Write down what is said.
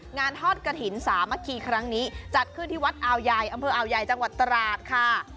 งานทอดกระถิ่นสามัคคีครั้งนี้จัดขึ้นที่วัดอาวใหญ่อำเภออาวใหญ่จังหวัดตราดค่ะ